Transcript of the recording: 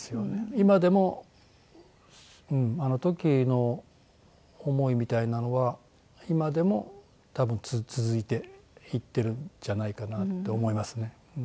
今でもあの時の思いみたいなのは今でも多分続いていってるんじゃないかなって思いますね。